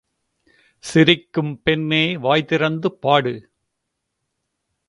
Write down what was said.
சிரிக்கும் பெண்ணே வாய் திறந்து பாடு!